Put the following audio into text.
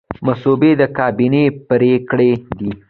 مصوبې د کابینې پریکړې دي